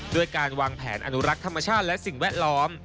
ด้วยการวางแผนอนุรักษ์ธรรมชาติและสิ่งแวดล้อม